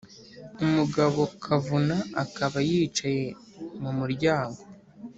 umugabo kavuna akaba yicaye mu muryango